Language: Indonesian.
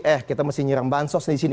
eh kita mesti nyiram bansos di sini